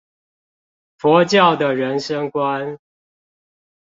佛教的人生觀